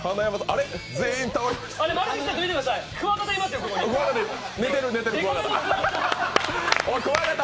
あれっ全員倒れました？